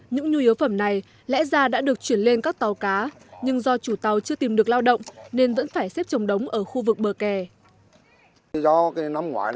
những nhu yếu phẩm này lẽ ra đã được chuyển lên các tàu cá nhưng do chủ tàu chưa tìm được lao động nên vẫn phải xếp trồng đống ở khu vực bờ kè